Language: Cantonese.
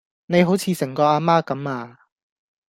你好似成個啊媽咁呀